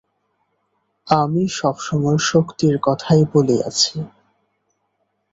আমি সব সময়ে শক্তির কথাই বলিয়াছি।